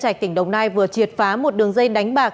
trạch tỉnh đồng nai vừa triệt phá một đường dây đánh bạc